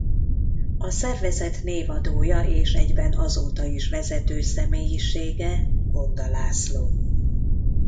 A szervezet névadója és egyben azóta is vezető személyisége Gonda László.